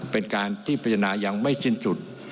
เป็นการที่พิจารณายังไม่สิ้นจุด